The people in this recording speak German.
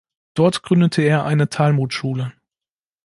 Dort gründete er eine Talmudschule.